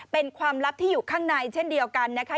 เป็นความลับที่อยู่ข้างในเช่นเดียวกันนะคะ